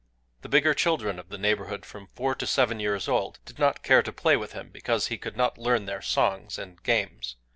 The bigger children of the neighborhood, from four to seven years old, did not care to play with him, because he could not learn their songs and games.